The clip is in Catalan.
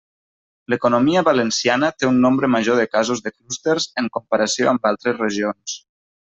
L'economia valenciana té un nombre major de casos de clústers en comparació amb altres regions.